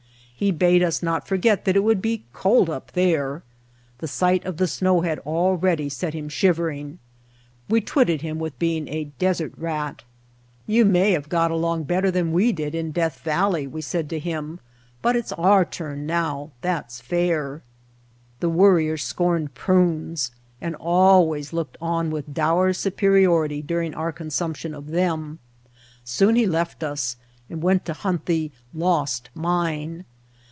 He bade us not forget that it would be cold up there. The sight of the snow had already set him shivering. We twitted him with being a "desert rat." "You may have got along better than we did The Mountain Spring in Death Valley," we said to him, "but it's our turn now; that's fair." The Worrier scorned prunes and always looked on with dour superiority during our con sumption of them. Soon he left us and went to hunt the "lost mine."